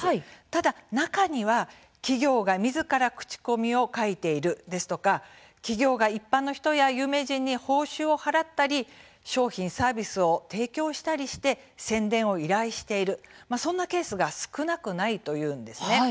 ただ、中には企業がみずから口コミを書いている、ですとか企業が一般の人や有名人に報酬を払ったり商品、サービスを提供したりして宣伝を依頼しているそんなケースが少なくないというんですね。